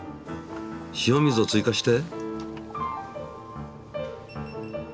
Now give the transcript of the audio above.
塩水を追加して。